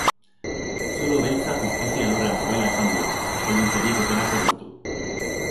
Zulo beltza justizia alorrean dagoela esan du, euskalduntzerik ez delako lortu.